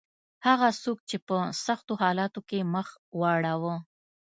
هغه څوک چې په سختو حالاتو کې مخ واړاوه.